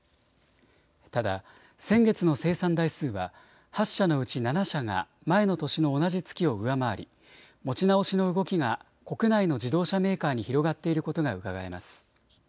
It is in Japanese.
ただ先月の生産台数は８社のうち７社が前の年の同じ月を上回り持ち直しの動きが国内の自動車メーカーに広がっていることがうかがえます。